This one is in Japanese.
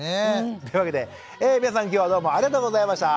というわけで皆さん今日はどうもありがとうございました。